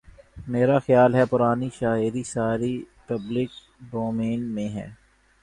میرا خیال ہے پرانی شاعری ساری پبلک ڈومین میں ہے